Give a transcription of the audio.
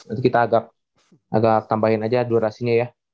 nanti kita agak tambahin aja durasinya ya